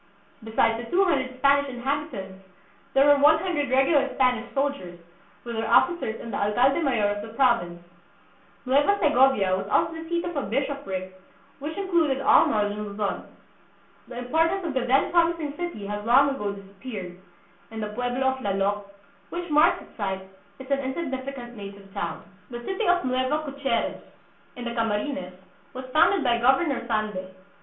Be sides the two hundred Spanish inhabitants there were one hundred regular Spanish soldiers, with their officers and the alcalde mayor of the province. Nueva Segovia was also the seat of a bishopric which included all northern Luzon. The importance of the then promising city has long ago disappeared, and the pueblo of Lallok, which marks its site, is an insignificant native town. The City of Nueva Caceres, in the Camarines, was founded by Governor Sande.